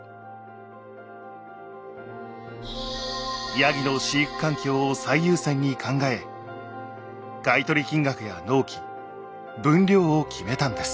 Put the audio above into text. やぎの飼育環境を最優先に考え買い取り金額や納期分量を決めたんです。